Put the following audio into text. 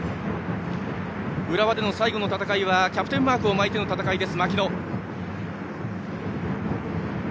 浦和での最後の戦いはキャプテンマークを巻いての戦いです、槙野。